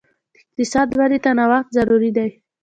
د اقتصاد ودې ته نوښت ضروري دی.